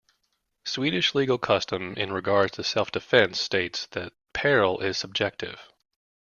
Swedish legal custom in regards to self-defense states that peril is subjective.